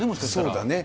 そうだね。